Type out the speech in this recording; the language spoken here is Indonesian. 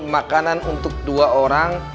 makanan untuk dua orang